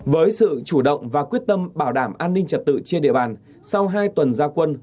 với sự chủ động và quyết tâm bảo đảm an ninh trật tự trên địa bàn sau hai tuần gia quân